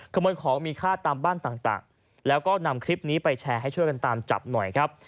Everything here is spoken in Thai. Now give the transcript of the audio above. ขโมยของมีค่าตามบ้านต่างแล้วก็นำคลิปนี้ไปแชร์ให้ช่วยกันตามจับหน่อยครับ